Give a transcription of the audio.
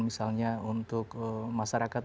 misalnya untuk masyarakat